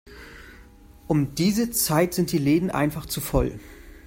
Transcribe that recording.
Um diese Zeit sind die Läden einfach zu voll.